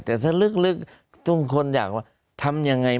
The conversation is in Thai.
แต่ถ้าลึกทุกคนอยากว่าทำยังไง